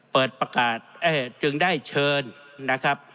เปิดประกาศจึงได้เชิญนะครับ